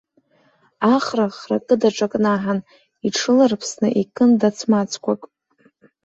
Ахра хракы даҿакнаҳан, иҽрыларԥсны икын дац-мацқәак.